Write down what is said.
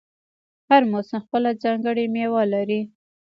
هر موسم خپله ځانګړې میوه لري.